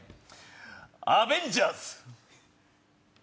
アベンジャーズ！